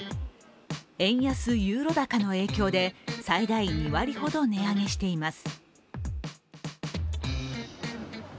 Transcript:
円安・ユーロ高の影響で最大２割ほど値上げしています。